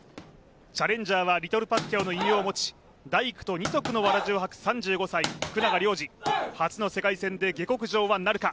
チャレンジャーはリトル・パッキャオの威名を持ち、大工と二足のわらじを履く３５歳、福永亮次、初の世界戦で下克上はなるか。